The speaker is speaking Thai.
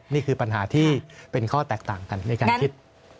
นี่คือปัญหาที่เป็นข้อแตกต่างกันในการคิด